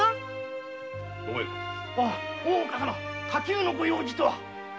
大岡様火急のご用事とは？